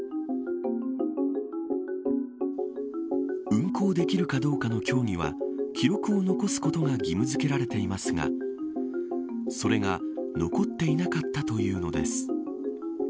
運航できるかどうかの協議は記録を残すことが義務付けられていますがそれが残っていなかったというのです。